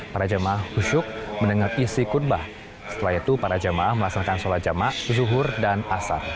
para jamaah husyuk mendengar isi khutbah setelah itu para jamaah melaksanakan sholat jamaah zuhur dan asar